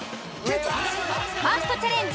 ファーストチャレンジ